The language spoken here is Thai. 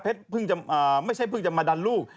ไม่ใช่เพิ่งจะมาดันลูก